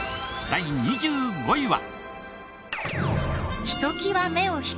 第２５位は。